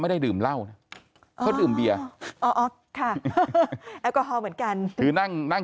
ไม่ได้ดื่มเหล้านะเขาดื่มเบียร์อ๋อค่ะแอลกอฮอล์เหมือนกันคือนั่งนั่ง